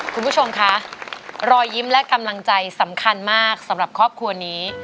คุณผู้ชมคะรอยยิ้มและกำลังใจสำคัญมากสำหรับครอบครัวนี้